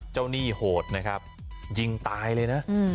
เจ้าหนี้โหดนะครับยิงตายเลยนะอืม